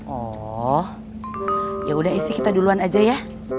oh yaudah isi kita duluan aja ya